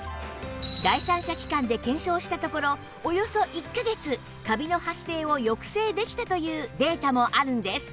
第三者機関で検証したところおよそ１カ月カビの発生を抑制できたというデータもあるんです